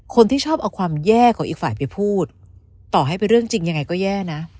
คนที่ชอบเอาความแย่ของอีกฝ่ายไปพูดต่อให้เป็นเรื่องจริงยังไงก็แย่นะ